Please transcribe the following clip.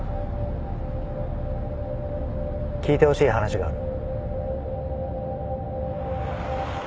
聞いてほしい話がある。